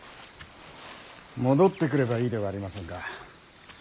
戻ってくればいいではありませんか。